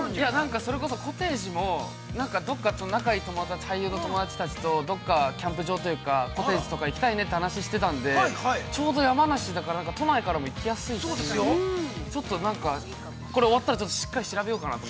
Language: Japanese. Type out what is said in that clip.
◆それこそコテージも、どこかと仲いい友達と、俳優の友達たちとどこかキャンプ場とか、コテージとか行きたいという話をしてたので、ちょうど山梨だから、都内からも行きやすいですし、ちょっと、なんか、これ終わったら、しっかり調べようかなと。